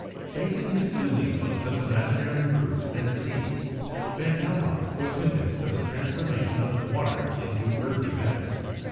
Basing his belief on such imaginary proofs as these, van Helmont was convinced of the transformation of water into earthy matter.